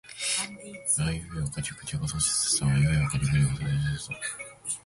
あいうえおかきくけこさしすせそあいうえおかきくけこさしすせそ